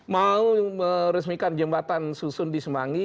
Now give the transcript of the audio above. mau meresmikan jembatan susun di semanggi